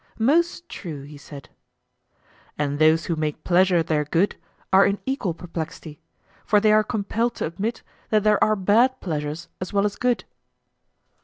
Most true, he said. And those who make pleasure their good are in equal perplexity; for they are compelled to admit that there are bad pleasures as well as good.